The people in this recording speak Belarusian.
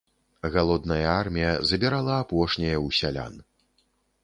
Галодная армія забірала апошняе ў сялян.